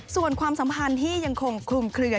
ส่วนความสัมพันธ์ที่ยังคงคลุมเคลือ